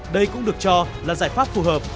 đây cũng được cho là giải pháp phù hợp